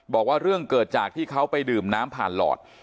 บอกว่าเรื่องเกิดจากที่เขาไปดื่มน้ำผ่านหลอด